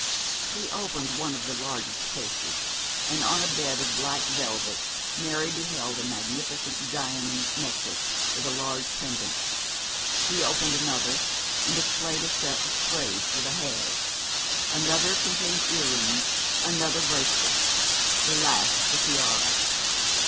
He opened one of the largest cases, and on a bed of black velvet Mary beheld a magnificent diamond necklace, with a large pendant. He opened another and displayed a set of sprays for the hair. Another contained earrings, another bracelets, the last a tiara.